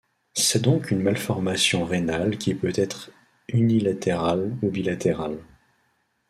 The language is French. C’est donc une malformation rénale qui peut être unilatérale ou bilatérale.